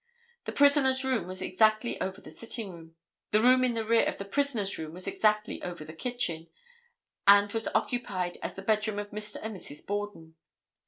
The prisoner's room was exactly over the sitting room. The room in the rear of the prisoner's room was exactly over the kitchen, and was occupied as the bedroom of Mr. and Mrs. Borden.